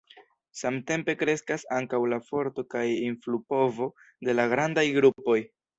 Samtempe kreskas ankaŭ la forto kaj influpovo de la grandaj grupoj.